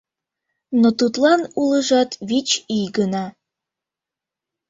Но тудлан улыжат вич ий гына.